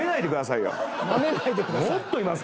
［「ナメないでください」］